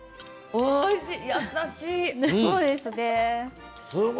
おいしい。